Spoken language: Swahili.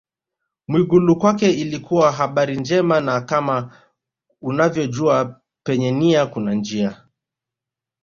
Mwigulu kwake ilikuwa habari njema na kama unavyojua penye nia kuna njia